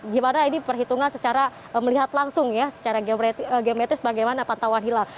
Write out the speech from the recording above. gimana ini perhitungan secara melihat langsung ya secara gemetis bagaimana pantauan hilal